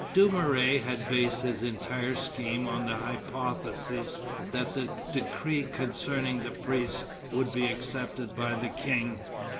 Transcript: Dumouriez had based his entire scheme on the hypothesis that the decree concerning the priests would be accepted by the King.